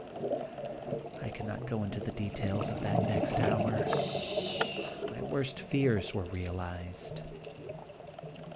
I cannot go into the details of that next hour. My worst fears were realized.